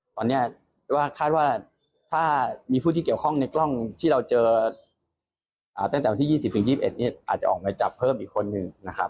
ตอนนี้ว่าคาดว่าถ้ามีผู้ที่เกี่ยวข้องในกล้องที่เราเจอตั้งแต่วันที่๒๐๒๑เนี่ยอาจจะออกมาจับเพิ่มอีกคนหนึ่งนะครับ